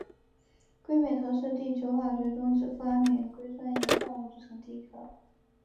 硅镁层是地球化学中指富含镁的硅酸盐矿物组成的地壳。